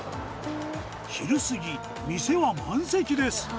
昼過ぎ、店は満席です。